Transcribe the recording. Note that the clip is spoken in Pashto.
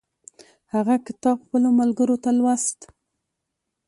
هغه کتاب خپلو ملګرو ته لوست.